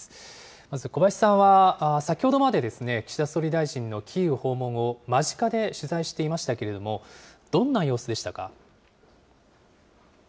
まず小林さんは、先ほどまで岸田総理大臣のキーウ訪問を間近で取材していましたけれども、どんな様子でしたか？